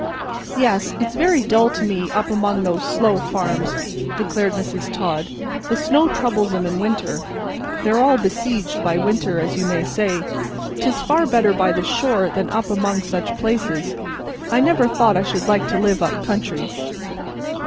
"Yes, it's very dull to me up among those slow farms," declared Mrs. Todd. "The snow troubles 'em in winter. They're all besieged by winter, as you may say; 'tis far better by the shore than up among such places. I never thought I should like to live up country."